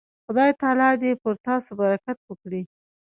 خدای تعالی دې پر تاسو برکت وکړي.